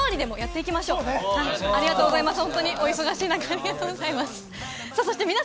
ありがとうございます。